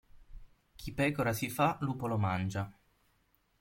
Chi pecora si fa, lupo lo mangia.